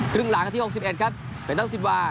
ครึ่งหลังครับที่๖๑ครับเพยรตังศิลวา